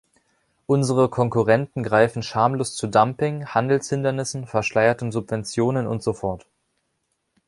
Unsere Konkurrenten greifen schamlos zu Dumping, Handelshindernissen, verschleierten Subventionen usf.